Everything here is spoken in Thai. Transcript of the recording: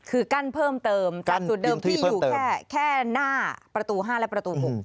คือกั้นเพิ่มเติมจากจุดเดิมที่อยู่แค่หน้าประตู๕และประตู๖